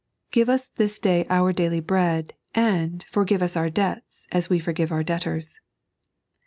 " Give us this day our daily bread, and forgive us our debts, as we forgive our debtors."